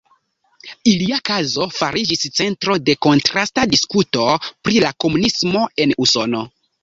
Ilia kazo fariĝis centro de kontrasta diskuto pri la komunismo en Usono.